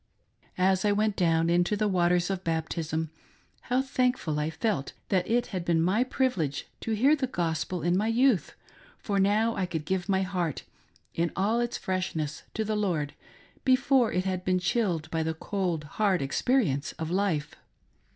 As I went down into the waters of baptism, how thankful I felt that it had been my privilege to hear the gospel in my youth, for now I could give my heart in all its freshness to the Lord, before it had been chilled by the cold, hard experience of life.